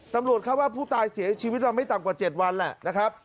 ตำรวจเข้าว่าผู้ตายเสียชีวิตมาไม่ต่ำกว่า๗วันแหละนะครับ